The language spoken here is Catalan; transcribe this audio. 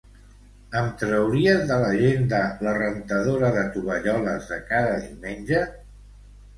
Em trauries de l'agenda la rentadora de tovalloles de cada diumenge?